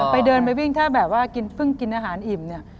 ไปเดินไปวิ่งถ้าแบบว่ากินเพิ่งกินอาหารอิ่มเนี่ย